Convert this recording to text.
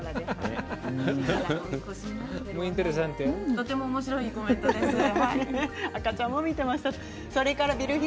とてもおもしろいコメントですね。